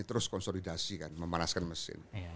terus konsolidasi kan memanaskan mesin